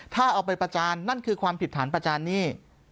ถ้าเอาไปประจานนั่นคือความผิดฐานประจานหนี้